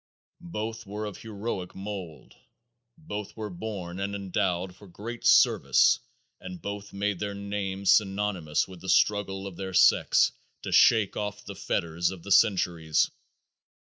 Both were of heroic mould. Both were born and endowed for great service and both made their names synonymous with the struggle of their sex to shake off the fetters of the centuries.